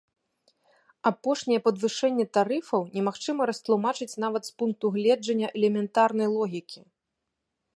Апошняе падвышэнне тарыфаў немагчыма растлумачыць нават з пункту гледжання элементарнай логікі.